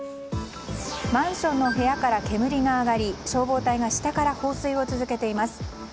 マンションの部屋から煙が上がり消防隊が下から放水を続けています。